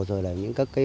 rồi là những cái